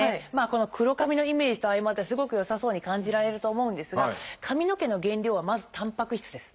この黒髪のイメージと相まってすごく良さそうに感じられると思うんですが髪の毛の原料はまずたんぱく質です。